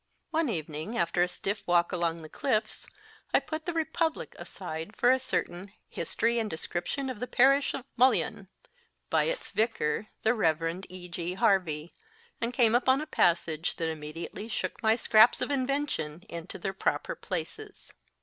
One evening, after a stiff walk along the cliffs, I put the Republic aside for a certain ( History and Description of the Parish of Mullyon, by its vicar, the Rev. E. G. Harvey, and came upon a passage that immediately shook my scraps of invention into their proper places.